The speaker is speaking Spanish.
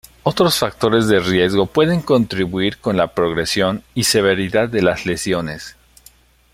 Otros factores de riesgo pueden contribuir con la progresión y severidad de las lesiones.